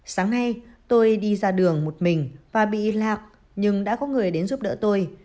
sáng nay tôi đi ra đường một mình và bị lạc nhưng đã có người đến giúp đỡ tôi